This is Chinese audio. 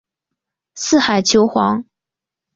四海求凰。